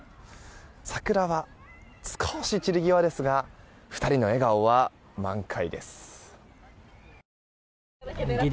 桜は少し散り際ですが２人の笑顔は満開です。